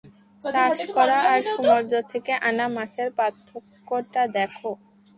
চাষ করা আর সমুদ্র থেকে আনা মাছের পার্থক্যটা দেখো!